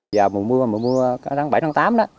giờ mùa mùa mùa mùa tháng bảy tháng tám đó